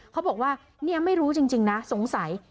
เขาบอกว่าเนี่ยไม่รู้จริงนะสงสัย